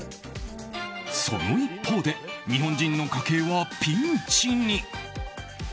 その一方で日本人の家計はピンチに。